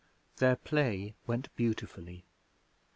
Their play went beautifully.